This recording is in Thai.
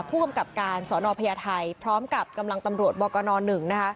ผู้กำกับการสอนอพญาไทยพร้อมกับกำลังตำรวจบกน๑นะคะ